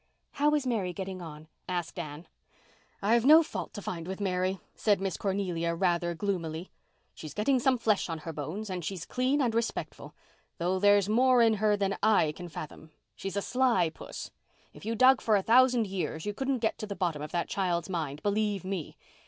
"How is Mary getting on?" asked Anne. "I've no fault to find with Mary," said Miss Cornelia rather gloomily. "She's getting some flesh on her bones and she's clean and respectful—though there's more in her than I can fathom. She's a sly puss. If you dug for a thousand years you couldn't get to the bottom of that child's mind, believe _me!